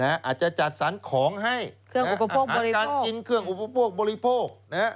อาจจะจัดสรรค์ของให้อาจจะกินเครื่องอุปโภคบริโภค